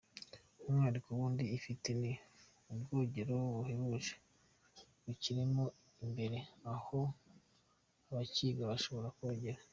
Umwihariko wundi ifite ni ubwogero buhebuje bukirimo imbere aho abakigana bashobora kogera.